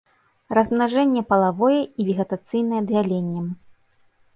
Размнажэнне палавое і вегетацыйнае дзяленнем.